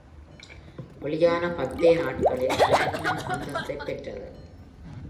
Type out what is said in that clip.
வெளியான பத்தே நாட்களில் பிளாட்டினம் அந்தஸ்த்தைப் பெற்றது.